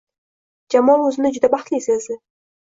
Jamol o`zini juda baxtli sezdi